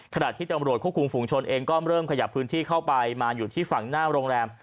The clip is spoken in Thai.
ขณะที่ตำรวจควบคุมฝุงชนเองก็เริ่มขยับพื้นที่เข้าไปมาอยู่ที่ฝั่งหน้าโรงแรม